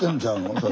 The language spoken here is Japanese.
それ。